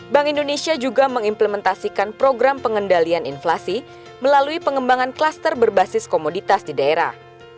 bank indonesia juga mengimplementasikan program pengendalian inflasi melalui pengembangan klaster berbasis komoditas di daerah